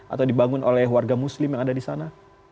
atau dibangun oleh warga muslim yang ada di sana